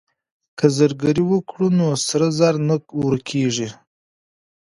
که زرګري وکړو نو سرو زرو نه ورکيږي.